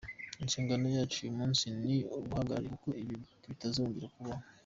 Inshingano yacu uyu munsi ni uguharanira ko ibi bitazongera kubaho.